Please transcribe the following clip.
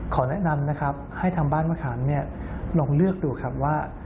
ขอแนะนำนะครับให้ทางบ้านมะขามลองเลือกดูครับว่า